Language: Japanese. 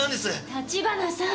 立花さん！